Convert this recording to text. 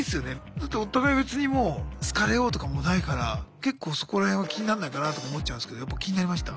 だってお互い別にもう好かれようとかもないから結構そこら辺は気になんないかなとか思っちゃうんですけどやっぱ気になりました？